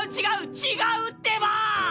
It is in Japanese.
違うってば！